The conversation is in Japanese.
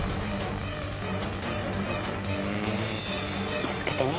気を付けてね。